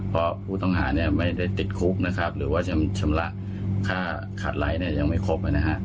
เพราะผู้ต้องหาเนี่ยไม่ได้ติดคุกนะครับหรือว่าชำระค่าขาดไร้เนี่ยยังไม่ครบนะฮะ